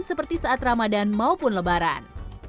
seperti saat ramadan maupun lebaran